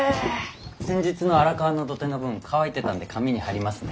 先日の荒川の土手の分乾いてたんで紙に貼りますね。